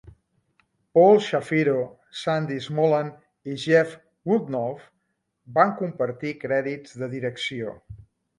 Paul Shapiro, Sandy Smolan i Jeff Woolnough van compartir crèdits de direcció.